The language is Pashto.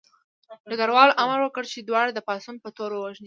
ډګروال امر وکړ چې دواړه د پاڅون په تور ووژني